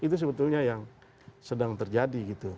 itu sebetulnya yang sedang terjadi gitu